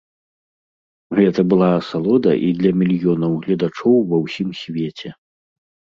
Гэта была асалода і для мільёнаў гледачоў ва ўсім свеце.